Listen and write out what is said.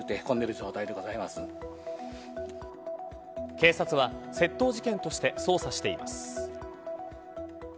警察は窃盗事件として捜査しています。